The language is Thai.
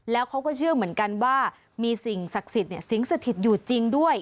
แล้วเขาก็เชื่อเหมือนกันว่ามีสิ่งศักดิ์สิทธิ์สิงสถิตอยู่จริงด้วย